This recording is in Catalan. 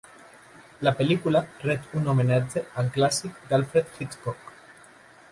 La pel·lícula ret un homenatge al clàssic d'Alfred Hitchcock.